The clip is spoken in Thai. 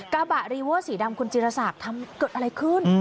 กระบะรีเวอร์สีดำคุณจิรศักดิ์ทำเกิดอะไรขึ้น